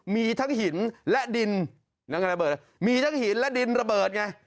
มีทั้งหินและดินมีทั้งหินและดินระเบิดไง